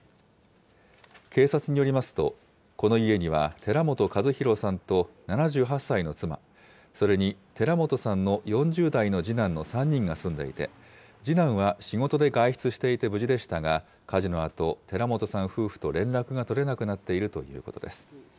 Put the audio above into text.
警察によりますと、この家には、寺本和弘さんと７８歳の妻、それに寺本さんの４０代の次男の３人が住んでいて、次男は仕事で外出していて無事でしたが、火事のあと、寺本さん夫婦と連絡が取れなくなっているということです。